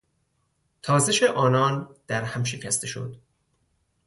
تازش آنان در هم شکسته شد.